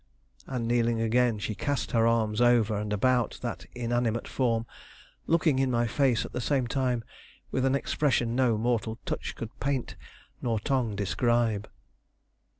and kneeling again she cast her arms over and about that inanimate form, looking in my face at the same time with an expression no mortal touch could paint, nor tongue describe.